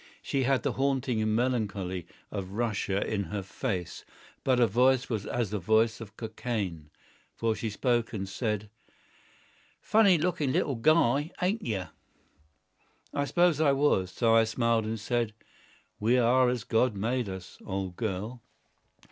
She had the haunting melancholy of Russia in her face, but her voice was as the voice of Cockaigne. For she spoke and said:— "Funny looking little guy, ain't you?" I suppose I was. So I smiled and said: "We are as God made us, old girl."